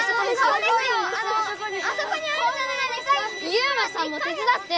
ユウマさんも手つだって！